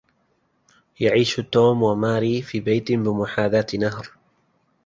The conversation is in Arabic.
يعيش توم وماري في بيت بمحاذاة نهر